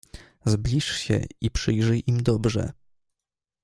"Zbliż się i przyjrzyj im dobrze!"